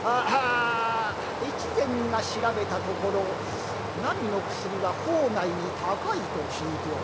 越前が調べたところなみの薬は法外に高いと聞いておる。